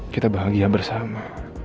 kita bahagia bersama